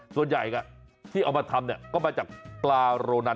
ส่วนใหญ่ที่เอามาทำก็มาจากปลาโรนัน